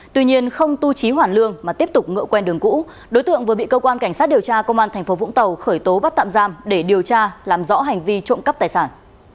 tuy nhiên không tu trí hoàn lương mà tiếp tục ngựa quen đường cũ đối tượng vừa bị cơ quan cảnh sát điều tra công an tp vũng tàu khởi tố bắt tạm giam để điều tra làm rõ hành vi trộm cắp tài sản